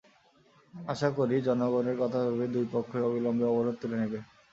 আশা করি, জনগণের কথা ভেবে দুই পক্ষই অবিলম্বে অবরোধ তুলে নেবে।